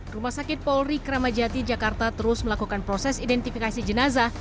rumah sakit polri kramajati jakarta terus melakukan proses identifikasi jenazah